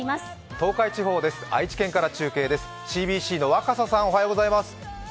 東海地方です、愛知県から中継です。